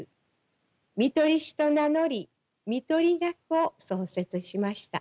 看取り士と名乗り看取り学を創設しました。